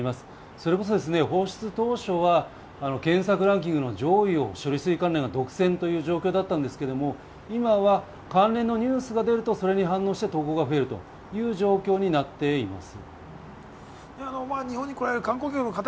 それこそ放出当初は検索ランキングの上位を処理水関連が独占という状況だったんですけれども、今は関連のニュースが出るとそれに関連して投稿が増えるという状況になっています。